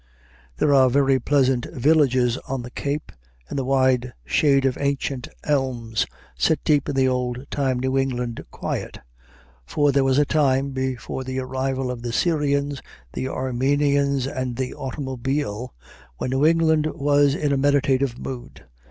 There are very pleasant villages on the Cape, in the wide shade of ancient elms, set deep in the old time New England quiet. For there was a time before the arrival of the Syrians, the Armenians, and the automobile, when New England was in a meditative mood.